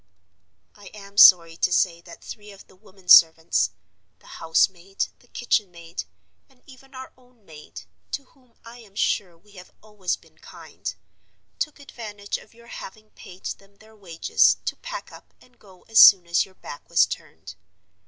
"I am sorry to say that three of the women servants—the house maid, the kitchen maid, and even our own maid (to whom I am sure we have always been kind)—took advantage of your having paid them their wages to pack up and go as soon as your back was turned.